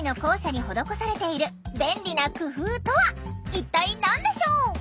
一体何でしょう？